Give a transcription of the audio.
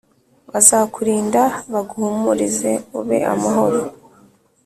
Bazakurinda baguhumurize ube amahoro.